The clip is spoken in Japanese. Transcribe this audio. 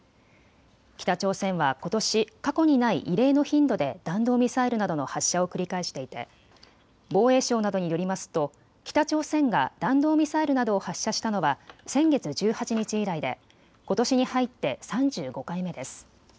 北朝鮮はことし、過去にない異例の頻度で弾道ミサイルなどの発射を繰り返していて防衛省などによりますと北朝鮮が弾道ミサイルなどを発射したのは先月１８日以来でことしに入って３５回目です。